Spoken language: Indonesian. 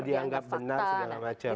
dianggap benar segala macam